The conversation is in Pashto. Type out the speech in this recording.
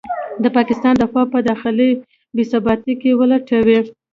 د پاکستان دفاع په داخلي بې ثباتۍ کې ولټوي.